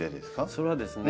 それはですね